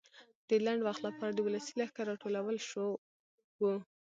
د لنډ وخت لپاره د ولسي لښکر راټولول شو وو.